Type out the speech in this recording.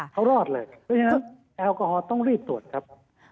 เขารอดเลยเพราะฉะนั้นแอลกอฮอลต้องรีบตรวจครับ